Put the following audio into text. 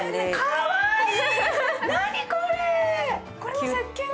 かわいい。